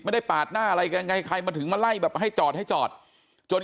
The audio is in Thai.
ปาดหน้าอะไรกันไงใครมาถึงมาไล่แบบให้จอดให้จอดจน